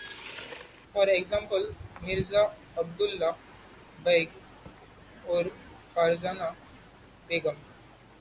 For example: Mirza Abdullah Baig or Farzana Begum.